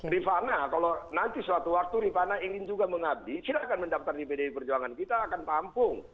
rifana kalau nanti suatu waktu rifana ingin juga mengabdi silahkan mendaftar di pdi perjuangan kita akan tampung